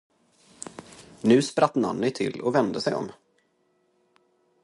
Nu spratt Nanny till och vände sig om.